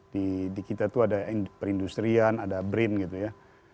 di kita tuh ada perindustrian ada brin gitu ya